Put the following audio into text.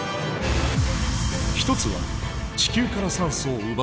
一つは地球から酸素を奪う殺人彗星。